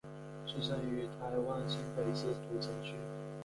出生于台湾新北市土城区。